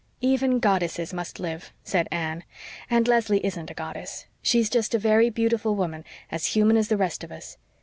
"Even goddesses must live," said Anne. "And Leslie isn't a goddess. She's just a very beautiful woman, as human as the rest of us.